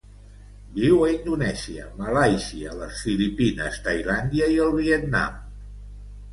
Viu a Indonèsia, Malàisia, les Filipines, Tailàndia i el Vietnam.